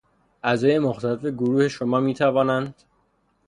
اعضای مختلف گروه شما میتوانند...